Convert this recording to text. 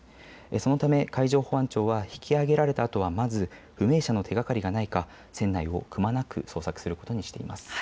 そのため海上保安庁は引き揚げられたあとはまず不明者の手がかりがないか船内をくまなく捜索することにしています。